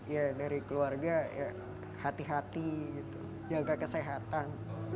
ya dari keluarga ya hati hati jaga kesehatan